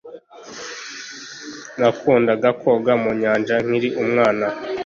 Nakundaga koga mu nyanja nkiri umwana